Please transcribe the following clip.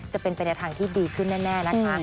จะเป็นเป็นอัดฮังที่ดีขึ้นแน่นะคะ